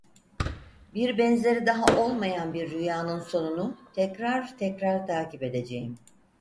Bir benzeri daha olmayan bir rüyanın sonunu, tekrar, tekrar takip edeceğim.